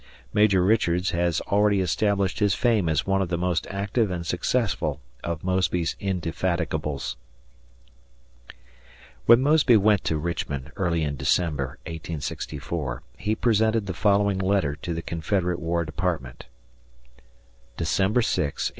Major Richards has already established his fame as one of the most active and successful of Mosby's indefatigables. When Mosby went to Richmond early in December, 1864, he presented the following letter to the Confederate War Department: December 6, 1864.